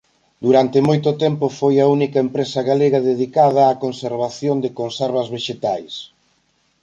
Durante moito tempo foi a única empresa galega dedicada á conservación de conservas vexetais.